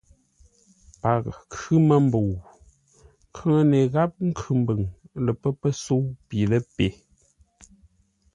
Paghʼə khʉ́ məmbəu. Nkhʉŋəne gháp Nkhʉmbʉŋ lə pə́ pəsə̌u pi ləpe.